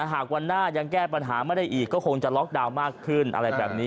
หากวันหน้ายังแก้ปัญหาไม่ได้อีกก็คงจะล็อกดาวน์มากขึ้นอะไรแบบนี้